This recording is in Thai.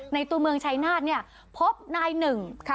ตัวเมืองชายนาฏเนี่ยพบนายหนึ่ง